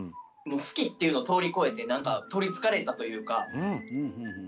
好きっていうの通り越えて何か取りつかれたというか。